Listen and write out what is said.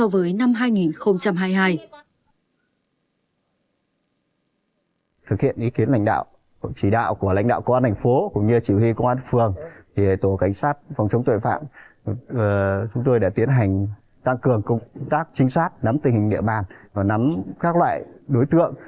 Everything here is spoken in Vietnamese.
và nắm các loại đối tượng